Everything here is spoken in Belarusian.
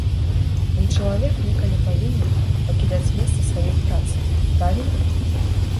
Дый чалавек некалі павінен пакідаць месца сваёй працы, правільна?